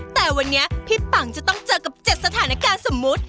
แต่วันนี้พี่ปังจะต้องเจอกับ๗สถานการณ์สมมุติ